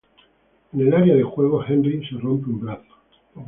En el área de juegos, Henry se rompe un brazo.